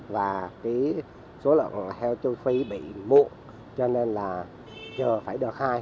và số lượng heo châu phi bị mụ cho nên là giờ phải đợt hai